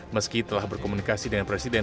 meski telah berkomunikasi dengan presiden